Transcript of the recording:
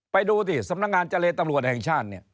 ไปดูสำนักงานเจรตรรวจแห่งชาติ